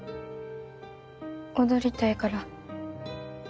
踊りたいから。